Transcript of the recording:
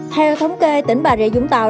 theo thống kê tỉnh bà rịa vũng tàu